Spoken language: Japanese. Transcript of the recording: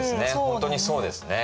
本当にそうですね。